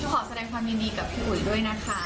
ขอแสดงความยินดีกับพี่อุ๋ยด้วยนะคะ